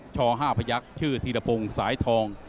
ช๕พยักษ์ชื่อธีรพงศ์สายทอง